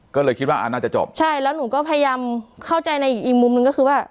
ก็เลยคิดว่าอ่าน่าจะจบใช่แล้วหนูก็พยายามเข้าใจในอีกมุมหนึ่งก็คือว่า